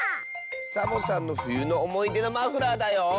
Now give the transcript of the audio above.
サボさんのふゆのおもいでのマフラーだよ。